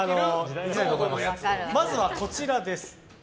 まずはこちらです。